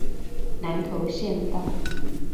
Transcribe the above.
南投縣道